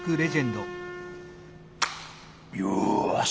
よし。